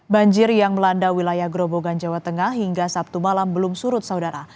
banjir yang melanda wilayah grobogan jawa tengah hingga sabtu malam belum surut saudara